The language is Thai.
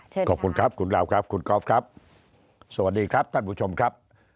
ขอบคุณครับคุณดาวครับคุณกอล์ฟครับสวัสดีครับท่านผู้ชมครับ